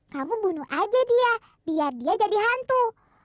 kamu bunuh aja dia biar dia jadi hantu